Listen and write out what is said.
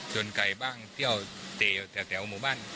จนไกลบ้างเที่ยวแต่แถวหมู่บ้าน